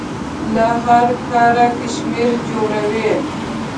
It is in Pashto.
له هر کار کشمیر جوړوي.